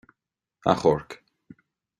Achomhairc.